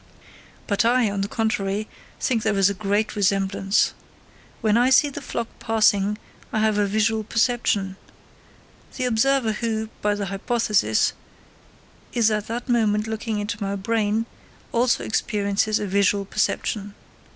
But I, on the contrary, think there is a great resemblance. When I see the flock passing, I have a visual perception. The observer who, by the hypothesis, is at that moment looking into my brain, also experiences a visual perception.